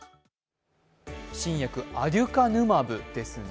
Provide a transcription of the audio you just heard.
新薬、アデュカヌマブですね